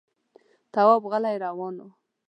تواب غلی روان و.